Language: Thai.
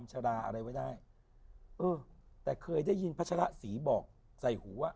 เหาะ